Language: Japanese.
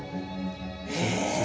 ええ！？